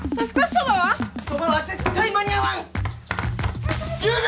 そばは絶対間に合わん１０秒！